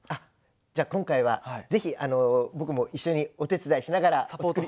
じゃあ今回はぜひ僕も一緒にお手伝いしながら。サポート。